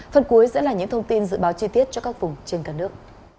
phần cuối sẽ là những thông tin dự báo chi tiết cho các vùng trên cả nước